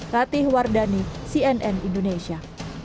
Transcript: ratih wardani cnn indonesia